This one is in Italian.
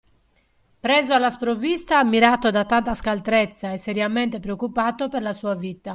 Preso alla sprovvista, ammirato da tanta scaltrezza e seriamente preoccupato per la sua vita.